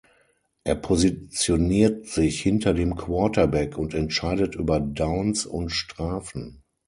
Er positioniert sich hinter dem Quarterback und entscheidet über Downs und Strafen.